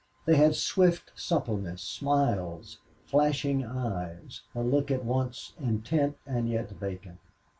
They had swift suppleness, smiles, flashing eyes, a look at once intent and yet vacant.